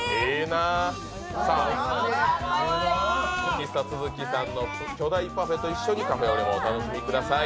喫茶ツヅキさんの巨大パフェと一緒にカフェオレもお楽しみください。